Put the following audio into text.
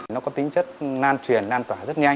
nó có tính chất nan truyền nan tỏa rất nhanh